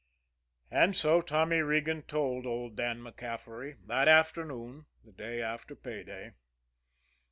And so Tommy Regan told old Dan MacCaffery that afternoon the day after pay day.